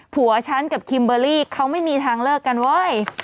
ผัวฉันกับคิมเบอร์รี่เขาไม่มีทางเลิกกันเว้ย